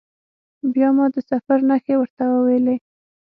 بیا ما د سفر نښې ورته وویلي.